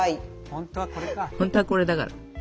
本当はこれだから。